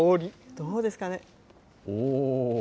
どうですかね。